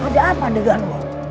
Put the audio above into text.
ada apa denganmu